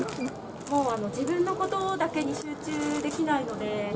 もう自分のことだけに集中できないので。